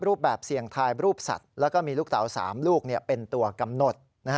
รูปแบบเสี่ยงทายรูปสัตว์แล้วก็มีลูกเต๋า๓ลูกเป็นตัวกำหนด